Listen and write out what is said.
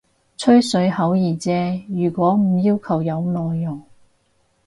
吹水好易啫，如果唔要求有內容